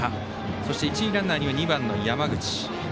そして、一塁ランナーには２番の山口。